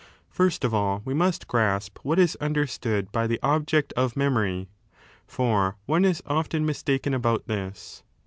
First of all we must grasp what is understood by the object of memory. For one is often mistaken about this.